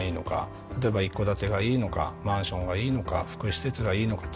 例えば一戸建てがいいのかマンションがいいのか福祉施設がいいのかと。